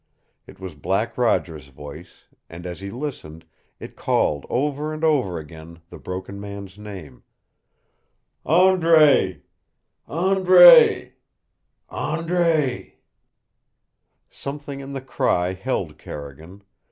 It was Black Roger's voice, and as he listened, it called over and over again the Broken Man's name, "Andre Andre Andre " Something in the cry held Carrigan.